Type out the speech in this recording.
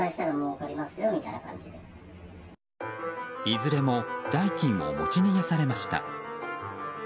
いずれも代金を持ち逃げされました。